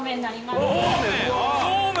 そうめん！